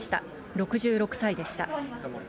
６６歳でした。